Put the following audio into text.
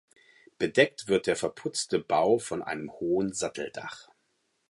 Bedeckt wird der verputzte Bau von einem hohen Satteldach.